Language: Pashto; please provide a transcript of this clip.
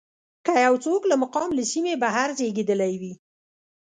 که یو څوک له مقام له سیمې بهر زېږېدلی وي.